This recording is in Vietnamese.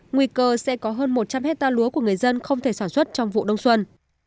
nguy cơ sẽ có hơn một trăm linh hectare lúa của người dân không thể sản xuất trong vụ đông xuân